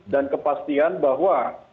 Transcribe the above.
dan kepastian bahwa